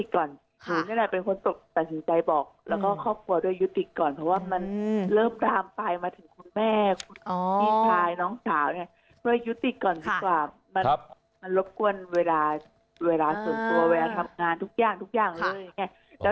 คุณพีชขายน้องสาวเนี่ยเพื่อยศารี้ก่อนสักขวับมันรบกวนเวลาส่วนตัวเวลาทางงานทุกอย่างทุกอย่างเลยแน่แหง